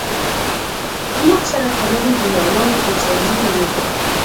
موږ سره تړلي د یووالي په زنځیر یو ټول.